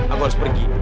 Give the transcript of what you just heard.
aku harus pergi